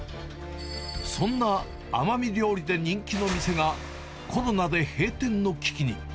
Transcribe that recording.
そんな奄美料理で人気の店が、コロナで閉店の危機に。